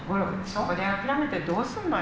そこで諦めてどうすんのよ！